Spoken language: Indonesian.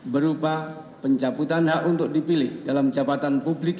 berupa pencabutan hak untuk dipilih dalam jabatan publik